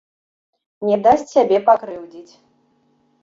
Не дасць сябе пакрыўдзіць.